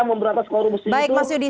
beberapa skor musuh itu